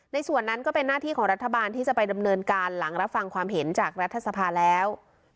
ส่วนนั้นก็เป็นหน้าที่ของรัฐบาลที่จะไปดำเนินการหลังรับฟังความเห็นจากรัฐสภาแล้ว